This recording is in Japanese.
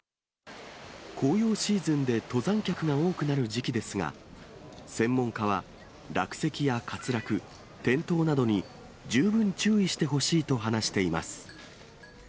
紅葉シーズンで登山客が多くなる時期ですが、専門家は、落石や滑落、転倒などに十分注意してほしいと話しています。